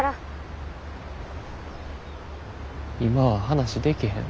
今は話できへん。